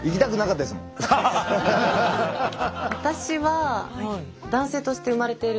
私は男性として生まれてるんですね